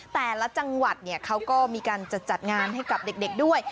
แต่ละจังหวัดเขาก็มีการจัดงานให้กับเด็กด้วย